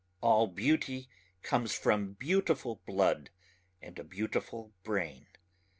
All beauty comes from beautiful blood and a beautiful brain.